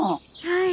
はい。